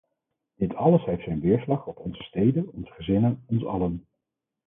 Dit alles heeft zijn weerslag op onze steden, onze gezinnen, ons allen.